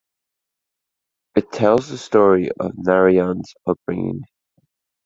It tells the story of Narayan's upbringing.